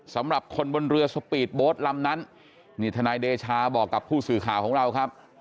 สำหรับคนบนเรือสปีดโบสต์ลำนั้นนี่ทนายเดชาบอกกับผู้สื่อข่าวของเราครับ